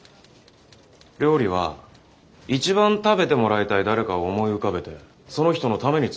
料理は一番食べてもらいたい誰かを思い浮かべてその人のために作るだろ。